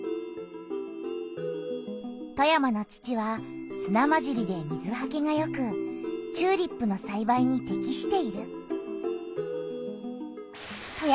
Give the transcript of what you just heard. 富山の土はすなまじりで水はけがよくチューリップのさいばいにてきしている。